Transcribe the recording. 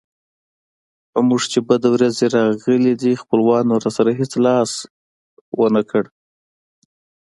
په موږ چې بدې ورځې راغلې خپلوانو راسره هېڅ لاس ونه کړ.